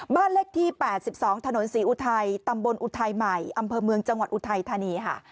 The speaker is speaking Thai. บ้านเลขที่๘๒ถนนศรีอุทัยตำบลอุทัยใหม่อำเภอเมืองจังหวัดอุทัยธานีค่ะ